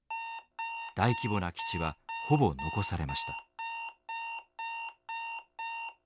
大規模な基地はほぼ残されました。